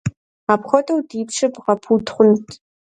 Апхуэдэу ди пщыр бгъэпуд хъунт!